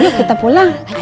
bhacet apa gak sih